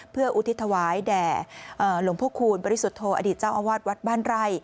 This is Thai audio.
เพื่ออุทิศถวายแด่หลวงพระคูณบริสุทธโธอดีตเจ้าอาวาสวัดบ้านไร่